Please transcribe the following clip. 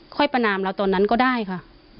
ประนามเราตอนนั้นก็ได้ค่ะ